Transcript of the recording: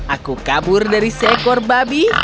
aku kabur dari seekor babi